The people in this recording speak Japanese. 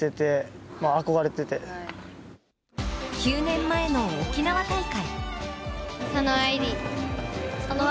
９年前の沖縄大会。